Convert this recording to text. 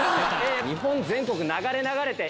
日本全国流れ流れて